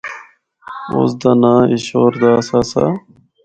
اُس دا ںاں ایشور داس آسا۔